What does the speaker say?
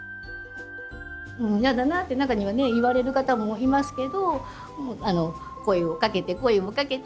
嫌だなって中には言われる方もいますけど声をかけて声をかけて。